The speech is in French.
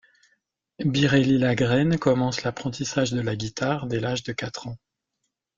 Biréli Lagrène commence l’apprentissage de la guitare dès l'âge de quatre ans.